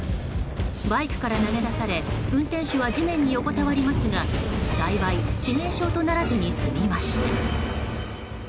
バイクから投げ出され運転手は地面に横たわりますが幸い致命傷とならずに済みました。